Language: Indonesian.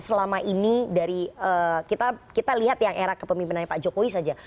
selama ini dari kita lihat yang era kepemimpinannya pak jokowi saja